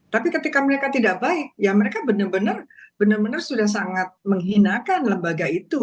tapi ketika mereka tidak baik ya mereka benar benar sudah sangat menghinakan lembaga itu